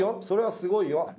それはすごいよ。